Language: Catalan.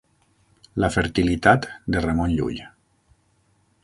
La fertilitat de Ramon Llull.